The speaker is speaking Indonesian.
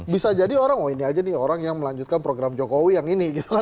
bisa jadi orang oh ini aja nih orang yang melanjutkan program jokowi yang ini